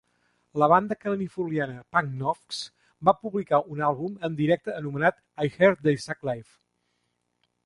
La banda californiana punk Nofx va publicar un àlbum en directe anomenat I Heard They Suck Live!!